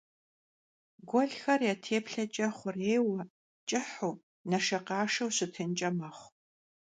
Guelxer ya têplheç'e xhurêyue, ç'ıhu, neşşekhaşşeu şıtınç'e mexhu.